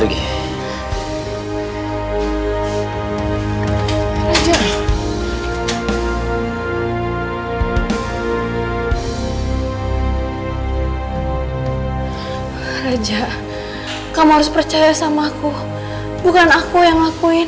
raja raja raja raja raja kamu harus percaya sama aku bukan aku yang ngakuin